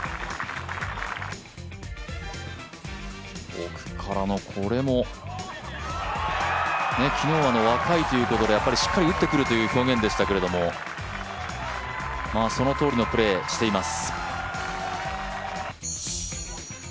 奥からのこれも、昨日は若いということでやっぱりしっかり打ってくるという表現でしたけどそのとおりのプレーをしています。